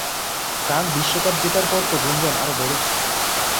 France বিশ্বকাপ জেতার পর তো গুঞ্জন আরও বেড়েছে।